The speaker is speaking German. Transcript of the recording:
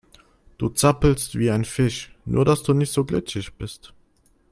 Du zappelst wie ein Fisch, nur dass du nicht so glitschig bist.